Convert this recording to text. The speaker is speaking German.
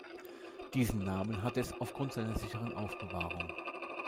Diesen Namen hat es aufgrund seiner sicheren Aufbewahrung.